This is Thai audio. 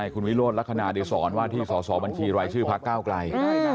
คุณวิโรศ์รัชนาดิสรวรรณว่าที่ที่สอบบัญชีรายชื่อพักเก้าไกล